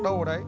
đâu ở đấy